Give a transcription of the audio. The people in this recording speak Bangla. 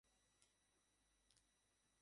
কুকুম-মতো সকল কোজ সারিতে বেলা একেবারে পড়িয়া গেল।